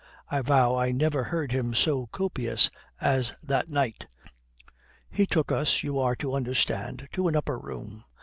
I vow I never heard him so copious as that night. "He took us, you are to understand, to an upper room.